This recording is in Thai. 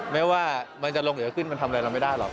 ไม่ว่ามันจะลงเหลือขึ้นมันทำอะไรเราไม่ได้หรอก